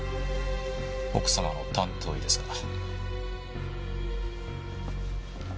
奥様の担当医ですから。